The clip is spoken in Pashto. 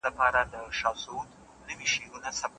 ایا څېړونکی باید خپلواکه فکر وکړي؟